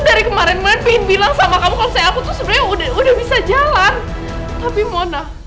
dari kemarin main pin bilang sama kamu kalau saya aku tuh sebenarnya udah udah bisa jalan tapi mona